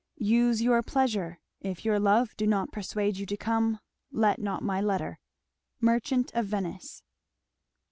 Use your pleasure: If your love do not persuade you to come, let not my letter. Merchant of Venice.